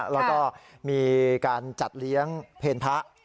แล้วก็มีการจัดเลี้ยงเพลพระ